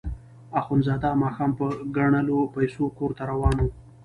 اخندزاده ماښام په ګڼلو پیسو کور ته روان وو.